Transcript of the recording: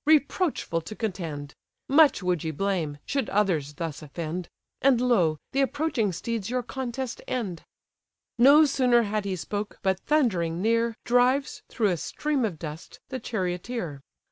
reproachful to contend; Much would ye blame, should others thus offend: And lo! the approaching steeds your contest end." No sooner had he spoke, but thundering near, Drives, through a stream of dust, the charioteer.